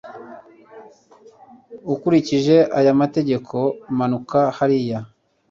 ukurikije aya mategeko, manuka hariya